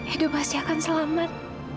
edo pasti akan selamat